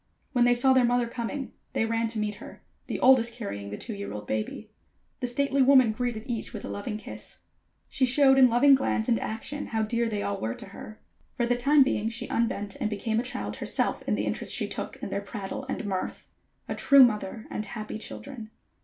When they saw their mother coming, they ran to meet her, the oldest carrying the two year old baby. The stately woman greeted each with a loving kiss. She showed in loving glance and action how dear they all were to her. For the time being she unbent, and became a child herself in the interest she took in their prattle and mirth. A true mother and happy children.